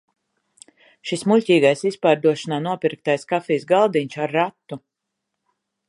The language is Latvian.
Šis muļķīgais izpārdošanā nopirktais kafijas galdiņš ar ratu!